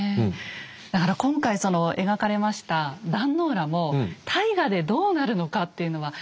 だから今回描かれました壇の浦も大河でどうなるのかっていうのは。